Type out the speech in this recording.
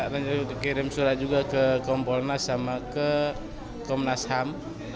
nanti kirim surat juga ke kompolnas sama ke komnas ham